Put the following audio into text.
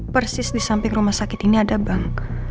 persis di samping rumah sakit ini ada bank